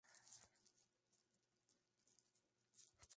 Kew; Humbert, Not.